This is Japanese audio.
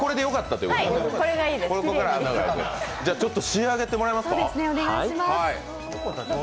ちょっと仕上げてもらえますか。